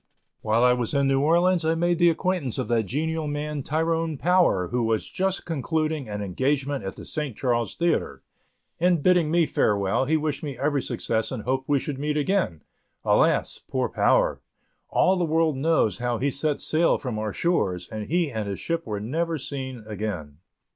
While I was in New Orleans I made the acquaintance of that genial man, Tyrone Power, who was just concluding an engagement at the St. Charles Theatre. In bidding me farewell, he wished me every success and hoped we should meet again. Alas, poor Power! All the world knows how he set sail from our shores, and he and his ship were never seen again.